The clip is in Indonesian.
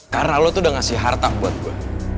karena lo tuh udah ngasih harta buat gue